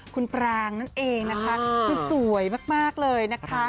คุณปรางนั่นเองนะคะคือสวยมากเลยนะคะ